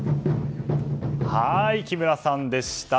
木村さんでした。